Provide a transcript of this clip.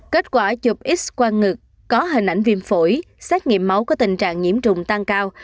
kết quả chụp x quang ngực có hình ảnh viêm phổi xét nghiệm máu có tình trạng nhiễm trùng tăng cao